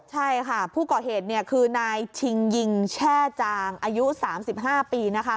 ใช่ค่ะผู้ก่อเหตุคือนายชิงยิงแช่จางอายุ๓๕ปี